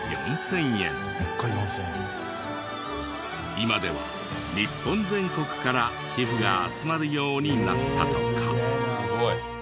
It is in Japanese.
今では日本全国から寄付が集まるようになったとか。